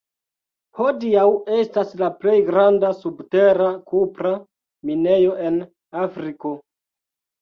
Hodiaŭ estas la plej granda subtera kupra minejo en Afriko.